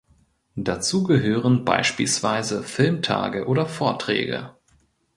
Dazu gehören beispielsweise Filmtage oder Vorträge.